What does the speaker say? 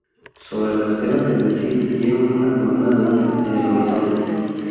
Sobre la estela del misil vieron una columna de humo, en el horizonte.